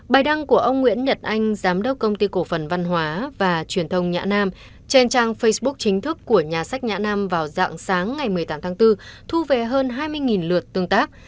bài đăng của ông nguyễn nhật anh giám đốc công ty cổ phần văn hóa và truyền thông nhã nam trên trang facebook chính thức của nhà sách nhã nam vào dạng sáng ngày một mươi tám tháng bốn thu về hơn hai mươi lượt tương tác